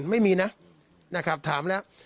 ไม่มีนะถามแล้ว